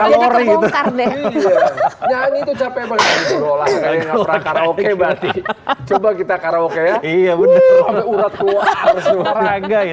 nyanyi itu capek banget itu olahraga yang pernah karaoke berarti coba kita karaoke ya iya bener